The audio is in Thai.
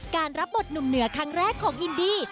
รับบทหนุ่มเหนือครั้งแรกของอินดี